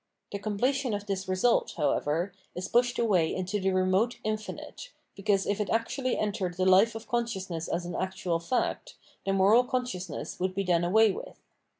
The completion of this result, however, is pushed away into the remote infinite, because if it actually entered the life of consciousness as an actual fact, the moral consciousness would be done away with.